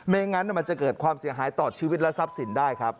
งั้นมันจะเกิดความเสียหายต่อชีวิตและทรัพย์สินได้ครับ